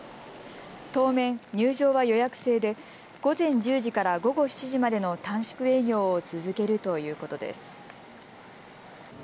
当面、入場は予約制で午前１０時から午後７時までの短縮営業を続けるということです。